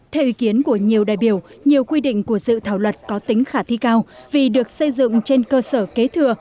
theo ý kiến của nhiều đại biểu nhiều quy định của dự thảo luật có tính khả thi cao vì được xây dựng trên cơ sở kế thừa